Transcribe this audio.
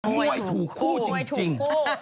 มวยถูกคู่จริง